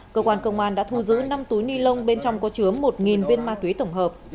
cơ quan công an đã thu giữ năm túi ni lông bên trong có chứa một viên ma túy tổng hợp